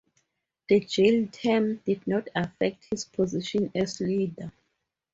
The jail term did not affect his position as leader.